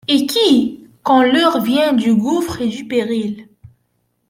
Et qui, quand l'heure vient du gouffre et du péril